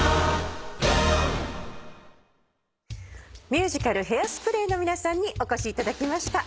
ミュージカル『ヘアスプレー』の皆さんにお越しいただきました。